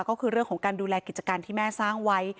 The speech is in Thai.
ก็คือเรื่องของการดูแลกิจการที่แม่สร้างไว้